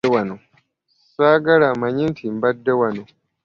Ssaagala amanye nti mbadde wano.